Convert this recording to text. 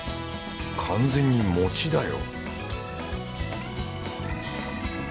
完全に餅だよ